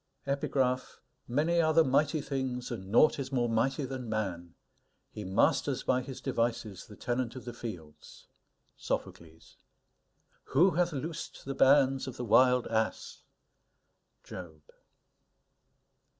S._ VELAY Many are the mighty things, and naught is more mighty than man.... He masters by his devices the tenant of the fields. SOPHOCLES. Who hath loosed the bands of the wild ass? JOB.